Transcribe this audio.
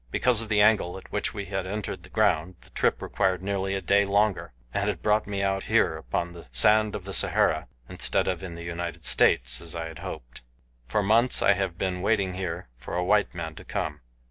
Because of the angle at which we had entered the ground the trip required nearly a day longer, and brought me out here upon the sand of the Sahara instead of in the United States as I had hoped. For months I have been waiting here for a white man to come.